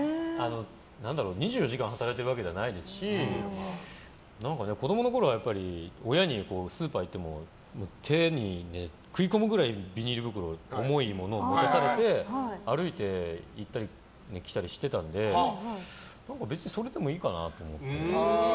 ２４時間働いてるわけじゃないですし子供のころは親にスーパー行っても手に食い込むくらいビニール袋、重いものを持たされて歩いてきたりしてたので別にそれでもいいかなと思って。